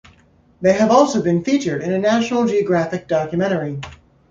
They have also been featured in a National Geographic documentary.